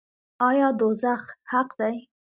آیا دوزخ حق دی؟